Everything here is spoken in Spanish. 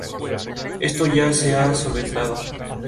Luego de siete meses fue dado de baja por una lesión en la rodilla.